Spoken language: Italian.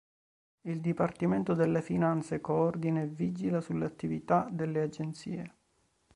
Il Dipartimento delle finanze coordina e vigila sulle attività delle agenzie.